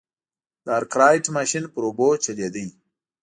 د ارکرایټ ماشین پر اوبو چلېده.